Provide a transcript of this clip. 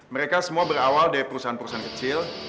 mereka semua berawal dari perusahaan perusahaan kecil